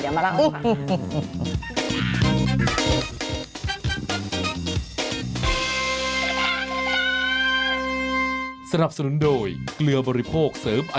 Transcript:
เดี๋ยวมาเล่าให้ดูค่ะ